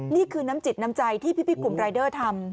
นี่คือน้ำจิตน้ำใจที่พี่กลุ่มรายเดอร์ทำ